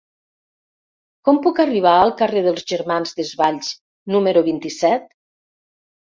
Com puc arribar al carrer dels Germans Desvalls número vint-i-set?